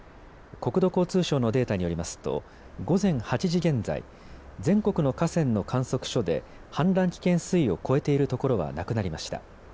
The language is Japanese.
国土交通省のデータによりますと午前８時現在、全国の河川の観測所で氾濫危険水位を超えているところは、なくなりました。